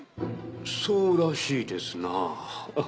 そうらしいですな。